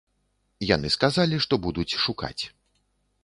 Яны сказалі, што будуць шукаць.